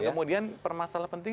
kemudian permasalahan penting